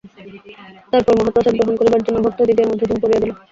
তারপর মহাপ্রসাদ গ্রহণ করিবার জন্য ভক্তদিগের মধ্যে ধুম পড়িয়া গেল।